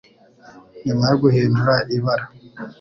Nyuma yo guhindura ibara,